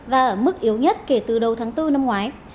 và ở mức yếu nhất kể từ đầu tháng bốn năm ngoái